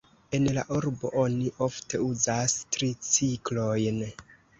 En la urbo oni ofte uzas triciklojn.